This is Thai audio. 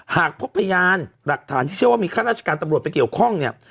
หากพบพยานหลักฐานที่เชื่อว่ามีข้าราชการตำรวจไปเกี่ยวข้องเนี่ย